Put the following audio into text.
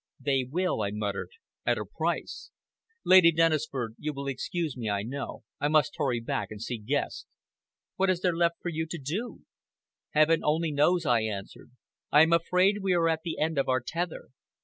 "They will," I muttered, "at a price. Lady Dennisford, you will excuse me, I know. I must hurry back and see Guest." "What is there left for you to do?" "Heaven only knows!" I answered. "I am afraid we are at the end of our tether.